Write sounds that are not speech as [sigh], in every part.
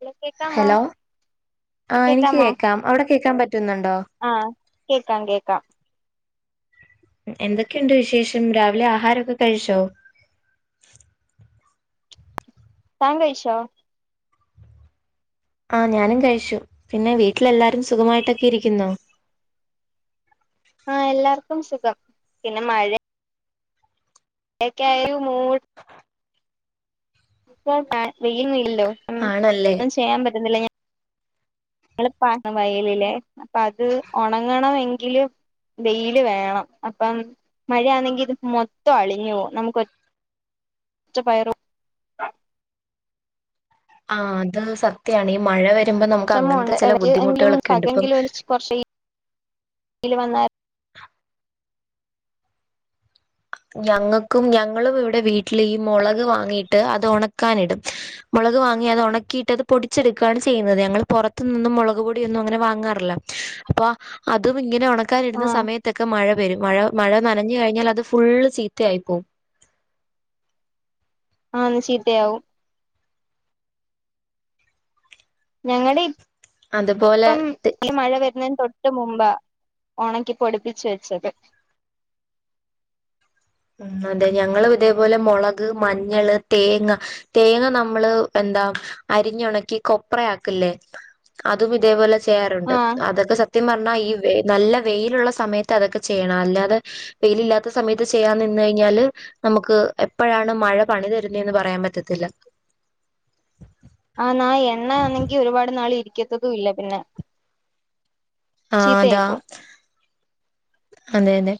Hello കേക്കാമോ hello ആ എനിക്ക് കേക്കാമോ കേക്കാം അവിടെ കേൾക്കാൻ പറ്റുന്നുണ്ടോ ആഹ് കേക്കാം കേക്കാം എന്തൊക്കെയുണ്ട് വിശേഷം രാവിലെ ആഹാരക്കെ കഴിച്ചോ? താൻ കഴിച്ചോ? ആഹ് ഞാനും കഴിച്ചു പിന്നെ വീട്ടിലെല്ലാരും സുഖമായിട്ടൊക്കെ ഇരിക്കുന്നോ ആഹ് എല്ലാർക്കും സുഖം പിന്നെ മഴ ഒക്കായും മൂ [unintelligible] ഇല്ലല്ലോ ആണല്ലേ ഒന്നും ചെയ്യാൻ പറ്റുന്നില്ല [unintelligible] അപ്പൊ അത് ഉണങ്ങണം എങ്കില് വെയില് വേണം അപ്പം മഴയാണെങ്കി ഇത് മൊത്തം അളിഞ്ഞു പോകും നമുക്ക് ഒറ്റ പച്ച പയറും ആഹ് അത് സത്യാണ് ഈ മഴ വരുമ്പോ നമുക്ക് വിഷമുണ്ട് അങ്ങനത്തെ ചില എങ്കിലും ബുദ്ധിമുട്ടുകളൊക്കെ ഉണ്ട് ഇപ്പൊ പകങ്കിലും [unintelligible] [unintelligible] വന്ന ഞങ്ങൾക്കും ഞങ്ങളും ഇവിടെ വീട്ടിൽ ഈ മുളക് വാങ്ങിട്ട് അത് ഉണക്കാൻ ഇടും മുളക് വാങ്ങി അത് ഉണക്കിയിട്ട് അത് പൊടിച്ചെടുക്കുകയാണ് ചെയ്യുന്നത് ഞങ്ങൾ പുറത്തു നിന്നും മുളക് പൊടിയൊന്നും അങ്ങനെ വാങ്ങാറില്ല അപ്പൊ അതും ഇങ്ങനെ ഒണക്കാൻ ണക്കാൻ ഇടുന്ന ആഹ് സമയത്തൊക്കെ മഴ വരും മഴ മഴ നനഞ്ഞു കഴിഞ്ഞാൽ അത് ഫുള്ള് ചീത്തയായി പോവും ആഹ് ചീത്തയാവും ഞങ്ങടെ അതുപോലെ ഇ മഴ വരുന്നതിന് തൊട്ട് മുമ്പ ഒണക്കി പൊടിപ്പിച്ച് വെച്ചത് ഉം അതെ ഞങ്ങള് ഇതേപോലെ മുളക് മഞ്ഞള് തേങ്ങ തേങ്ങ നമ്മള് എന്താ അരിഞ്ഞു ഉണക്കി കൊപ്രയാക്കില്ലേ അതും ഇതേപോലെ ചെയ്യാറുണ്ട് ആഹ് അതൊക്കെ സ ത്യം പറഞ്ഞാൽ ഈ നല്ല വെയിലുള്ള സമയത്ത് അതൊക്കെ ചെയ്യണം അല്ലാതെ വെയിലല്ലാത്ത സമയത്ത് ചെയ്യാൻ നിന്ന് കഴിഞ്ഞാല് നമുക്ക് എപ്പഴാണ് മഴ പണി തരുന്ന എന്ന് പറയാൻ പറ്റത്തില്ല ആ നാ എണ്ണ ആണെങ്കി ഒരുപാട് നാൾ ഇരിക്കത്തതും ഇല്ല പിന്നെ ആഹ് ചീത്തയായി അതാ പോവും അതെ അതെ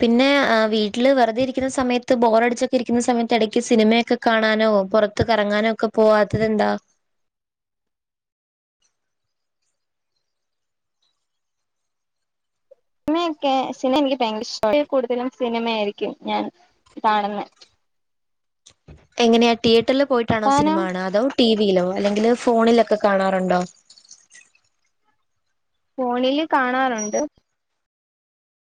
പിന്നെ വീട്ടില് വെറുതെ ഇരിക്കുന്ന സമയത്ത് ബോറടിച്ച് ഒക്കെ ഇരിക്കുന്ന സമയത്ത് എടയ്ക്ക് സിനിമയൊക്കെ കാണാനോ പുറത്ത് കറങ്ങാനോ ഒക്കെ പോവാത്തത് എന്താ ഓക്കെ എനിക്ക് ഭയങ്കര ഇഷ്ടം കൂടുതലും സിനിമയായിരിക്കും ഞാൻ കാണുന്ന എങ്ങനെയാ തീയറ്ററില് പോയിട്ടാണോ സിനിമ താനോ കാണുക അതോ ടി വിയിലോ അല്ലെങ്കിൽ ഫോണിലൊക്കെ കാണാറുണ്ടോ ഫോണില് കാണാറുണ്ട്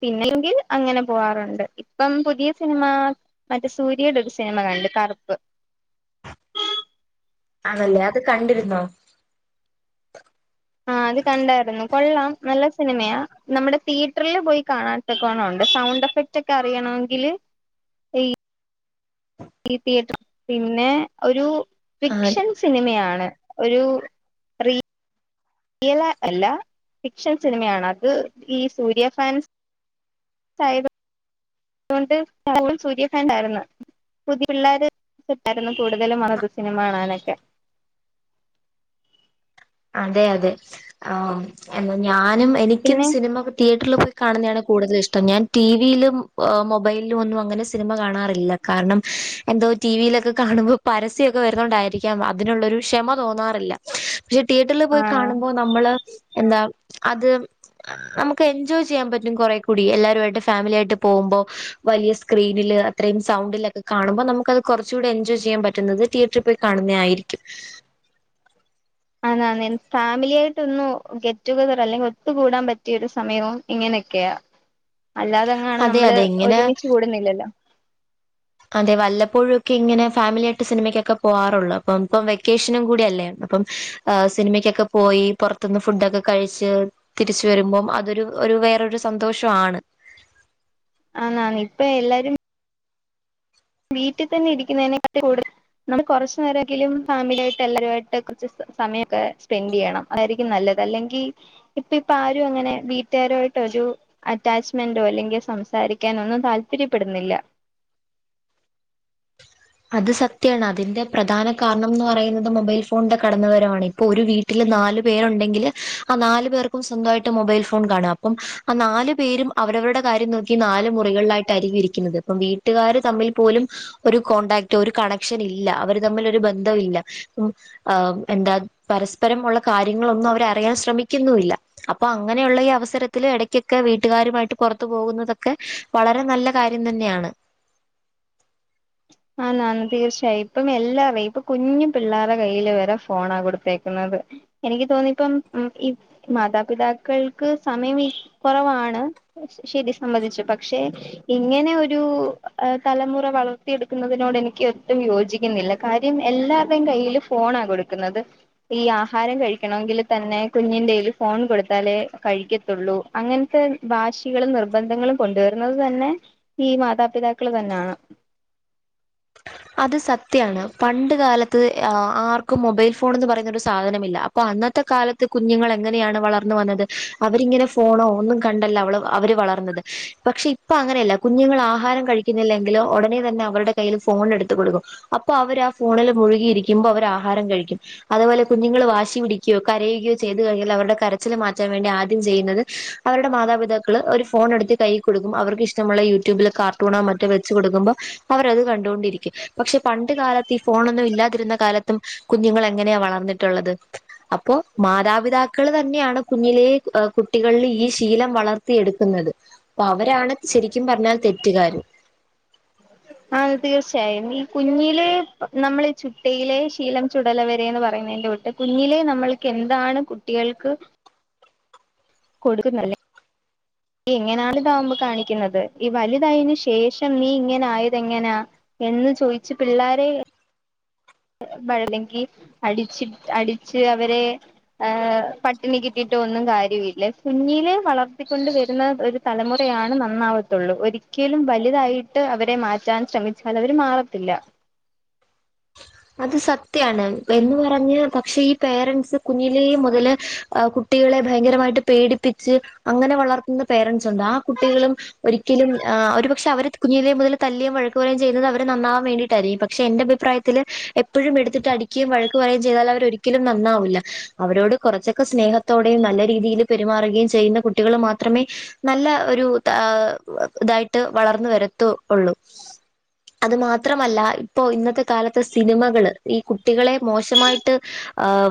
പിന്നല്ലകിൽ അങ്ങനെ പോവാറുണ്ട് ഇപ്പം പുതിയ സിനിമ മറ്റെ സൂര്യയുടെ ഒരു സിനിമ കണ്ട് കറുപ്പ് ആണല്ലേ അത് കണ്ടിരുന്നോ ആഹ് അത് കണ്ടായിരുന്നു കൊള്ളാം നല്ല സിനിമയാ നമ്മുടെ തിയേറ്ററില് പോയി കാണാൻ [unintelligible] ഉണ്ട് സൗണ്ട് എഫക്റ്റ് ഒക്കെ അറിയണങ്കില് ഈ തീയേറ്റർ പിന്നെ ഒരു ആഹ് ഫിക്ഷൻ സിനിമയാണ് ഒരു ട്ടികളെ അല്ല ഫിക്ഷൻ സിനിമയാണ് അത് ഈ സൂര്യ ഫാൻസ് [unintelligible] ആയിരുന്നു പുതിയ പിള്ളേര് ഉണ്ടായിരുന്നു കൂടുതലും വന്നത് സിനിമ കാണാനൊക്കെ അതെ അതെ ആ എന്നാ ഞാനും എനിക്കും പിന്നെ സിനിമ തിയേറ്ററിൽ പോയി കാണുന്നതാണ് കൂടുതൽ ഇഷ്ടം ഞാൻ ടിവിയിലും മൊബൈലിലും ഒന്നും അങ്ങനെ സിനിമ കാണാറില്ല കാരണം എന്തോ ടിവിയിലൊക്കെ കാണുമ്പൊ പരസ്യമൊക്കെ വരുന്നോണ്ടായിരിക്കാം അതിനുള്ളൊരു ക്ഷമ തോന്നാറില്ല പക്ഷെ തിയേറ്ററിൽ പോയി ആഹ് കാണുമ്പോൾ നമ്മള് എന്താ അത് നമുക്ക് എൻജോയ് ചെയ്യാൻ പറ്റും കുറെേ കൂടി എല്ലാരായിട്ട് ഫാമിലി ആയിട്ട് പോകുമ്പോ വലിയ സ്ക്രീനിൽ അത്രയും സൗണ്ടിലൊക്കെ കാണുമ്പോൾ നമുക്കത് കുറച്ചുകൂടെ എൻജോയ് ചെയ്യാൻ പറ്റുന്നത് തിയറ്റർ കാണുന്നായിരിക്കും അതാണ് ഫാമിലിയ ആയിട്ട് ഒന്നും ഗേറ്റുഗെതർ അല്ലെങ്കിൽ ഒത്തുകൂടാൻ പറ്റിയൊരു സമയവും ഇങ്ങനെയൊക്കെയ അല്ലാതെങ്ങാണ് അതെ നമ്മള് അതെ ഇങ്ങനെ ഒരുമിച്ച് കൂടുന്നില്ലല്ലോ അതെ വല്ലപ്പോഴും ഒക്കെ ഇങ്ങനെ ഫാമിലി ആയിട്ട് സിനിമക്കൊക്കെ പോകാറുള്ളൂ അപ്പം ഇപ്പം വെക്കേഷനും കൂടി അല്ലേരുന്നു അപ്പം സിനിമയ്ക്കൊക്കെ പോയി പുറത്തുന്ന് ഫുഡൊക്കെ കഴിച്ച് തിരിച്ചു വരുംമ്പം അതൊരു ഒരു വേറെരു സന്തോഷമാണ് ആണ് ആണ് ഇപ്പം എല്ലാരും വീട്ടിൽ തന്നെ ഇരിക്കുന്നനെകാട്ടിൽകൂട്തൽ നമ്മക്ക് കുറച്ചു നേരങ്കിലും ഫാമിലിയ അയിട്ട് എല്ലാരുമായിട്ട് കുറച്ച് സമയമൊക്കെ സ്പെൻഡ് ചെയ്യണം അതായിരിക്കും നല്ലത് അല്ലെങ്കി ഇപ്പ ഇപ്പ ആരും അങ്ങനെ വീട്ടുകാരുയിമയിട്ട് ഒരു അറ്റാച്ച്മെന്റോ അല്ലെങ്കിൽ സംസാരിക്കാൻ ഒന്നും താല്പര്യപ്പെടുന്നില്ല അത് സത്യാണ് അതിന്റെ പ്രധാന കാരണം ന്ന് പറയുന്നത് മൊബൈൽ ഫോണിന്റെ കടന്നുവരവാണ് ഇപ്പൊ ഒരു വീട് വീട്ടില് നാല് പേരുണ്ടെങ്കില് ആ നാല് പേർക്കും സ്വന്തമായിട്ട് മൊബൈൽ ഫോൺ കാണും അപ്പം ആ നാല് പേരും അവരവരുടെ കാര്യം നോക്കി നാല് മുറികളിലായിട്ട് ആയിരിക്കും ഇരിക്കുന്നത് അപ്പം വീട്ടുകാാര് തമ്മിൽ പോലും ഒരു കോണ്ടാക്റ്റ് ഒരു കണക്ഷൻ ഇല്ല അവര് തമ്മിൽ ഒരു ബന്ധം ഇല്ല ആ എന്താ പരസ്പരം ഉള്ള കാര്യങ്ങളൊന്നും അവര് അറിയാൻ ശ്രമിക്കുന്നുല്ല അപ്പൊ അങ്ങനെയുള്ള ഈ അവസരത്തിൽ ഇടയ്ക്കൊക്കെ വീട്ടുകാരുമായിട്ട് പുറത്തു പോവുന്നതൊക്കെ വളരെ നല്ല കാര്യം തന്നെയാണ് ആണ് ആണ് തീർച്ചയായും ഇപ്പം എല്ലാരും ഇപ്പൊ കുഞ്ഞു പിള്ളേരുടെ കയ്യിയില് വരെ ഫോണാ കൊടുത്തേക്കുന്നത്. എനിക്ക് തോന്നിപ്പം ഉം ഈ മാതാപിതാക്കൾക്ക് സമയം കുറവാണ് ശരി സംബന്ധിച്ചു പക്ഷെ ഇങ്ങനെ ഒരു തലമുറ വളർ ത്തി എടുക്കുന്നതിനോട് എനിക്ക് ഒട്ടും യോജിക്കുന്നില്ല കാര്യം എല്ലാരുടെേയും കയ്യില് ഫോണാ കൊടുക്കുന്നത് ഈ ആഹാരം കഴിക്കണമെങ്കിൽ തന്നെ കുഞ്ഞിൻ്റെൽ ഫോൺ കൊടുത്താലേ കഴിക്കതൊള്ളൂ. അങ്ങനത്തെ വാശികളും നിർബന്ധങ്ങളും കൊണ്ടുവരുന്നത് തന്നെ ഈ മാതാപിതാക്കൾ തന്നെയാണ്. അത് സത്യമാണ് പണ്ട് കാലത്ത് ആർക്കും മൊബൈൽ ഫോണന്ന് പറയുന്നൊരു സാധനമില്ല അപ്പ അപ്പൊ അന്നത്തെ കാലത്ത് കുഞ്ഞുങ്ങൾ എങ്ങനെയാണ് വളർന്ന വന്നത് അവരിങ്ങനെ ഫോണോ ഒന്നും കണ്ടല്ല അവള് അവര് വളർന്നത് പക്ഷെ ഇപ്പൊ അങ്ങനെയല്ല കുഞ്ഞുങ്ങൾ ആഹാരം കഴിക്കുന്നില്ലെങ്കിലും ഉടനെ തന്നെ അവരുടെ കയ്യിൽ ഫോൺ ഫോൺ എടുത്ത് കൊടുക്കും അപ്പൊ അവര് ആ ഫോണില് മുഴുകിയിരിക്കുമ്പോൾ അവര് ആഹാരം കഴിക്കും. അതുേപോലെ കുഞ്ഞുങ്ങൾ വാശി പിടിക്കയോ കരയുകയോ ചെയ്തു കഴിഞ്ഞാൽ അവരുടെ കരച്ചില് മാറ്റാൻ വേണ്ടി ആദ്യം ചെയ്യുന്നത് അവരുടെ മാതാപിതാക്കൾ ഒരു ഫോൺ എടുത്ത് കൈ കൊടുക്കും അവർക്ക് ഇഷ്ടമുള്ള യൂട്യൂബില് കാർട്ടൂണോ മറ്റോ വെച്ച് കൊടുക്കുമ്പോൾ അവർ അത് കണ്ട് കണ്ടോണ്ടിരിക്കെ പക്ഷെ പണ്ട് കാലത്ത് ഈ ഫോൺ ന്നും ഇല്ലാതിരുന്ന കാലത്തും കുഞ്ഞുങ്ങൾ എങ്ങനെയാ വളർന്നിട്ടുള്ളത് അപ്പൊ മാതാപിതാക്കള് തന്നെയാണ് കുഞ്ഞിലെ കുട്ടികളിൽ ഈ ശീലം വളർത്തിയ എടുക്കുന്നത് അപ്പൊ അവരാണ് ശരിക്കും പറഞ്ഞാൽ തെറ്റുകാര് ആ തീർച്ചയായും ഈ കുഞ്ഞിലേ നമ്മൾ ഈ ചുട്ടയിലെ ശീലം ചുടലവരെന്ന് പറയുന്നതിന്റെ കുട്ട് കുഞ്ഞിലെ നമ്മൾക്ക് എന്താണ് കുട്ടികൾക്ക് കൊടുക്കുന്നല്ലേ [inaudible] നീ ഇങ്ങനാ വലുതാകുമ്പോ കാണിക്കുന്നത് ഈ വലുതായന് ശേഷം നീ ഇങ്ങനെ ആയത് എങ്ങനാ എന്ന് ചോയിച്ചു പിള്ളോരെ ഴല്ലെങ്കി അടിച്ചി അടിച്ച് അവരെ ഏഹ് പട്ടിണികിട്ടിയിട്ട് ഒന്നും കാര്യവും ഇല്ല കുഞ്ഞിലേ വളർത്തിക്കൊണ്ട് വരുന്ന ഒരു തലമുറയാണ് നന്നാവത്തുള്ളൂ ഒരിക്കലും വലുതായിട്ട് അവരെ മാറ്റാൻ ശ്രമിച്ചാൽ അവര് മാറത്തില്ല അത് സത്യാണ് എന്ന് പറഞ്ഞ് പക്ഷെ ഈ പേരെന്റ്സ് കുഞ്ഞിലേ മുതല് ഏഹ് കു കുട്ടികളെ ഭയങ്കരമായിട്ട് പേടിപ്പിച്ച് അങ്ങനെ വളർത്തുന്ന പേരെന്റ്സ് ഉണ്ട് ആ കുട്ടികളും ഒരി ഒരിക്കലും ആ ഒരു പക്ഷെ അവര് കുഞ്ഞിലേ മുതൽ തല്ലുകയും വഴക്ക്‌ പറയുകയും ചെയ്യുന്നത് അവര് നന്നാവാൻ വേൻണ്ടയിട്ടായിരിക്കും പക്ഷെ എന്റെ അഭിപ്രായ ത്തില് എപ്പോഴും എടുത്തിട്ട് അടിക്കുകയും വഴക്ക് പറയുകയും ചെയ്താൽ അവർ ഒരിക്കലും നന്നാവില്ല അവരോട് കുറച്ചൊക്കെ സ്നേഹത്തി ത്തോടെയും നല്ല രീതിയിൽ പെരുമാറുകയും ചെയ്യുന്ന കുട്ടികൾ മാത്രമേ നല്ല ഒരു ഇതാ ഇതായിട്ട് വളർന്ന് വരത്തുള്ളൂ അത് മാത്രമല്ല ഇപ്പൊ ഇന്നത്തെ കാലത്തെ സിനിമകള് ഈ കുട്ടികളെ മോശമായിട്ട്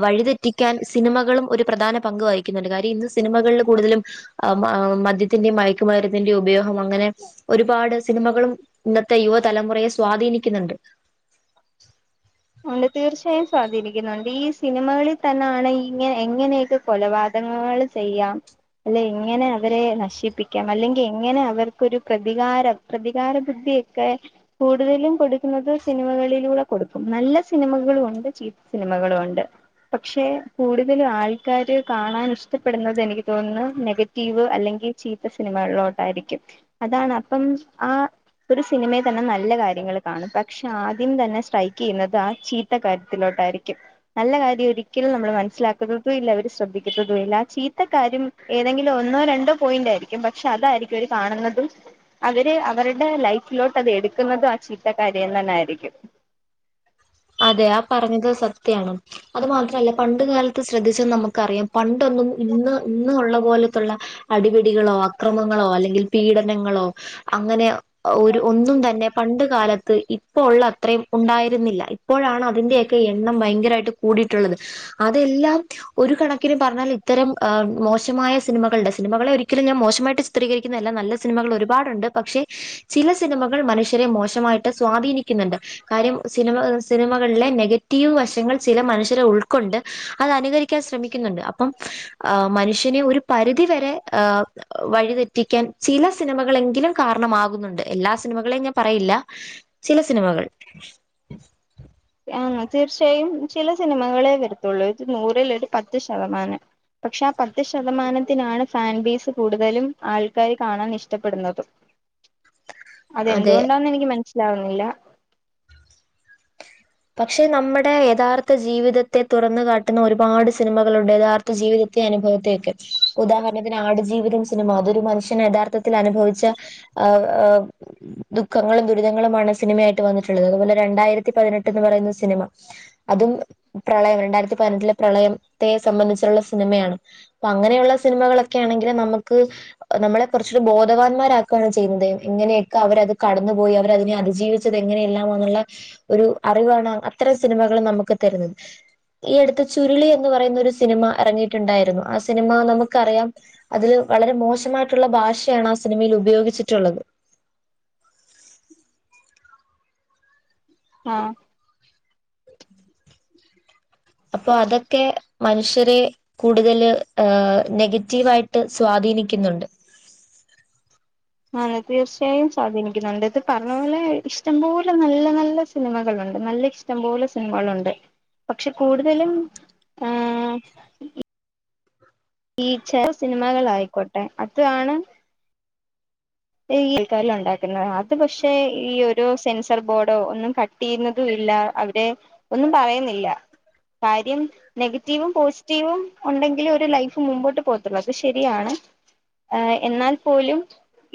വഴിതെറ്റി ക്കാൻ സിനിമകളും ഒരു പ്രധാന പങ്ക് വഹിക്കുന്നുണ്ട് കാര്യം ഇന്ന് സിനിമകളിൽ കൂടുതലും ആം ആ മദ്യത്തിന്റെയും മയക്കുമരുന്നിന്റെയും ഉപയോഗം അങ്ങനെ ഒരുപാട് സിനിമകളും ഇന്നത്തെ യുവതലമുറയെ സ്വാധീനിക്കുന്നുണ്ട് ഉണ്ട് തീർച്ചയായും സ്വാധീനിക്കുന്നുണ്ട് ഈ സിനിമകളിൽ തന്നെയാണ് ഇങ്ങനെ എങ്ങനെയൊക്കെ കൊലപാതകങ്ങൾ ചെയ്യാം അല്ലെ എങ്ങനെ അവരെ നശിപ്പിക്കാം അല്ലെങ്കിൽ എങ്ങനെ അവർക്കൊരു പ്രതികാരം പ്രതികാര ബുദ്ധിയൊക്കെ കൂടുതലും കൊടുക്കുന്നത് സിനിമകളിലൂടെ കൊടുക്കും നല്ല സിനിമകളും ഉണ്ട് ചീത്ത സിനിമകളും ഉണ്ട് പക്ഷെ കൂടുതല് ആൾക്കാര് കാണാൻ ഇഷ്ടപ്പെടുന്നത് എനിക്ക് തോന്നുന്നു നെഗ റ്റീവ് അല്ലെങ്കിൽ ചീത്ത സിനിമകളിലോട്ടായിരിക്കും അതാണ് അപ്പം ആ ഒരു സിനിമയിൽ തന്നെ നല്ല കാര്യങ്ങൾ കാണും പക്ഷെ ആദ്യം തന്നെ സ്ട്രൈക്ക് ക്കെയ്യുന്നത് ആ ചീത്ത കാര്യത്തിലോട്ടായിരിക്കും നല്ല കാര്യം ഒരിക്കലും നമ്മൾ മനസ്സിലാക്കുന്നതും ഇല്ല അവര് ശ്രദ്ധിക്കുന്നതും ഇല്ല ആ ചീത്ത കാര്യം ഏതെങ്കിലും ഒന്നോ രണ്ടോ പോയിന്റ് ആയിരിക്കും പക്ഷെ അതായിരിക്കും അവര് കാണുന്നതും അവര് അവരുടെ ലൈഫിലോട്ട് അത് എടുക്കുന്നതും ആ ചീത്തകാര്യം തന്നൊയിയിരിക്കും അതെ ആ ഹ് പറഞ്ഞത് സത്യാണ് അത് മാത്രല്ല പണ്ട് കാലത്ത് ശ്രദ്ധിച്ചാ നമുക്കറിയാം പണ്ട് ഒന്നും ഇന്ന് ഇന്ന് ഉള്ള പോലെത്തെ ത്തുള്ള അടി പിടികളോ അക്രമങ്ങളോ അല്ലെങ്കിൽ പീഡനങ്ങളോ അങ്ങനെ ഒരു ഒന്നും തന്നെ പണ്ട് കാലത്ത് ഇപ്പോ ഉള്ള അത്രയും ഉണ്ടായിരുന്നില്ല ഇപ്പോഴാണ് അതിന്റെറെയൊക്കെ എണ്ണം ഭയങ്കരമായിട്ട് കൂടിയിട്ടുള്ളത് അതെല്ലാം ഒരു കണക്കിന് പറഞ്ഞാൽ ഇത്തരം മോശമായ സിനിമകള്ടെ സിനിമകളെ ഒരിക്കലും ഞാൻ മോശമായിട്ട് ചിത്രീകരിക്കുന്നതല്ല നല്ല സിനിമകൾ ഒരുപാടുണ്ട് പക്ഷേ ചില സിനിമകൾ മനുഷ്യരെ മോശമായിട്ട് സ്വാധീനിക്കുന്നുണ്ട് കാര്യം സിനിമ സിനിമകളിലെ നെഗറ്റീവ് വശങ്ങൾ ചില മനുഷ്യരെ ഉൾക്കൊണ്ട് അത് അനുകരിക്കാൻ ശ്രമിക്കുന്നുണ്ട് അപ്പം ഏഹ് മനുഷ്യനെ ഒരു പരിധിവരെ ഏഹ് ഏഹ് വഴിതെറ്റിക്കാൻ ചില സിനിമകളെങ്കിലും കാരണമാകുന്നുണ്ട് എല്ലാ സിനിമകളെയും ഞാൻ പറയില്ല ചില സിനിമകൾ ആ തീർച്ചയായും ചില സിനിമകളെ വരത്തുള്ളൂ ഒരു നൂറിൽ ഒരു പത്ത് ശതമാനം പക്ഷെ ആഹ് പത്ത് ശതമാനത്തിനാണ് ഫാൻ ബേസ് കൂടുതലും ആൾക്കാര് കാണാൻ ഇഷ്ടപ്പെടുന്നതും [inaudible] അതെന്തുകൊണ്ടാന്ന് എനിക്ക് മനസ്സിലാവുന്നില്ല പക്ഷെ നമ്മടെ എഥാർത്ത ജീവിതത്തെ തുറന്ന് കാട്ട്ന്ന ഒരുപാട് സിനിമകളുണ്ട് യഥാർ ത്ത ജീവിതത്തെ അനുഭവത്തെയൊക്കെ ഉദാഹര്ണത്തിന് ആട്ജീവിതം സിനിമ അതൊരു മനുഷ്യന് യഥാർത്ഥത്തിൽ അനുഭവിച്ച ആഹ് ആഹ് ദുഃഖങ്ങളും ദുരിതങ്ങളുമാണ് സിനിമയായിട്ട് വന്ന്ട്ട്ള്ളത് അതുപോലെ രണ്ടായിരത്തി പതിനെട്ട്ന്ന് പറയുന്ന സിനിമ അതും പ്രളയം രണ്ടായിരത്തി പൈനെട്ടിലെ പ്രളയംത്തെ സംമ്മന്ധിച്ച്ള്ള സിനിമയാണ് ഇപ്പ അങ്ങനെയുള്ള സിനിമകളൊക്കെ ആണെങ്കില് നമ്മക്ക് നമ്മളെ കാെറച്ചൂടെ ബോധവാന്മാരാക്കാണ് ചെയ്യ്ന്നത് ഇങ്ങനെയെക്ക അവരത് കടന്നുപോയി അവരതിനെ അതിജീവി ച്ചത് എങ്ങനെയെല്ലാം അങ്ങെനെള്ള ഒരു അറിവാണ് അത്തരം സിനിമകൾ നമുക്ക് തെരുന്നത് ഹ് ഈ അട്ത്ത് ചുരുളി എന്ന് പറയുന്ന ഒരു സിനിമ എറങ്ങിയിട്ട് ഇണ്ടായിരുന്നു ആ സിനിമ നമുക്കറിയാം അതില് വളരെ മോശമായിട്ട്ള്ള ഭാഷയാണ് ആ സിനിമയിൽ ഉപയോഗിച്ച്ട്ട്ള്ളത് ആഹ് അപ്പൊ അതെക്കെ മനുഷ്യരെ കൂട്തല് ഹ് നെഗറ്റീവായിട്ട് സ്വാധീനിക്കുന്നുണ്ട് ആണ് തീർച്ചയായും സ്വാധീനിക്കുന്നുണ്ട് ഇത് പർണ പോലെ ഇഷ്ടംപോലെ നല്ല നല്ല സിനിമകളുണ്ട് നല്ല ഇഷ് ടം പോലെ സിനിമകളുണ്ട് പക്ഷെ കൂട്തലും ആഹ് ഈ ചെല സിനിമകൾ ആയിക്കോട്ടെ അത് ആണ് ഈ എക്കാലം ഉണ്ടാക്ക്ന്നത് അത് പക്ഷെ ഈ ഒരു സെൻസർ ബോർഡോ ഒന്നും കട്ട് തീർന്നതൂല്ല അവിടെ ഒന്നും പറയുന്നില്ല കാര്യം നെഗറ്റീവും പോസ്റ്റീവും ഒണ്ടെങ്കിലെ ഒരു ലൈഫ് മുമ്പോട്ട് പോവത്താെള്ളൂ അത് ശെരിയാണ് ആഹ് എന്നാൽ പോലും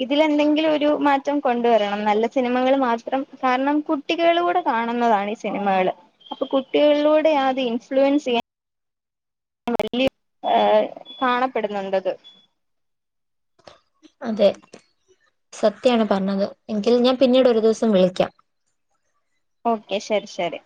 ഇതിലെന്തെങ്കിലും ഒരു മാറ്റം കൊണ്ടുവെരണം നല്ല സിനിമകള് മാത്രം കാരണം കുട് ട്ടികളൂടെ കാണ്ന്നതാണ് ഈ സിനിമകള് അപ്പാെ കുട്ടികളിലൂടെയാത് ഇൻഫ്ലുവെൻസിയ്യാൻ വല്ലി ഏഹ് കാണപ്പെട്ന്നുണ്ടത് അതെ സത്യാണ് പർണത് എങ്കിൽ ഞാൻ പിന്നീട് ഒരു ദിവസം വിളിക്കാം ഓക്കെ ശെരി ശരി